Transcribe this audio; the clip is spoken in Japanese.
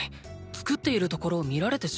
作っているところを見られてしまう。